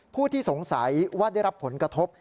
ผู้ที่สงสัยว่าได้รับผลกระทบ